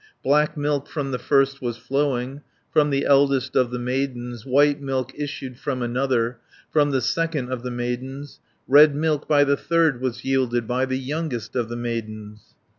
"Black milk from the first was flowing, From the eldest of the maidens, White milk issued from another, From the second of the maidens, Red milk by the third was yielded, By the youngest of the maidens.